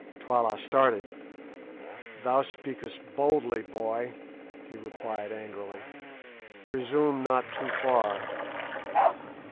Twala started. "Thou speakest boldly, boy," he replied angrily; "presume not too far."